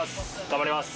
頑張ります。